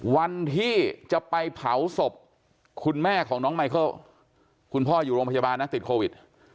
วันที่จะไปเผาศพคุณแม่ของน้องไมเคิลคุณพ่ออยู่โรงพยาบาลนะติดโควิด